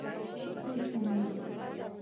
څوک شتمن دی.